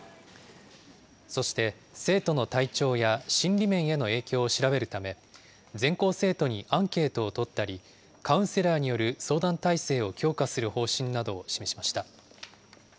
そして、生徒の体調や心理面への影響を調べるため、全校生徒にアンケートを取ったり、カウンセラーによる相談体制を強化する方針などを示しました。